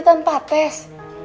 jadi tukang parkir tanpa tes